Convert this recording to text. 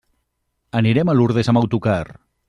Anirem a Lurdes amb autocar.